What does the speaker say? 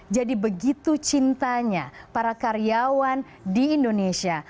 jadi begitu cintanya para karyawan di indonesia